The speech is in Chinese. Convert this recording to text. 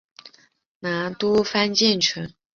拿督潘健成